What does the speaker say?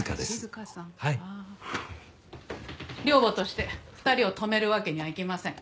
寮母として２人を泊めるわけにはいきません。